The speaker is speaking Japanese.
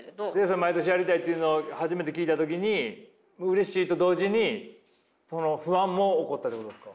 毎年やりたいっていうのを初めて聞いた時にうれしいと同時に不安も起こったということですか？